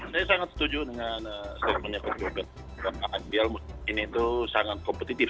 saya sangat setuju dengan statementnya coach sjobel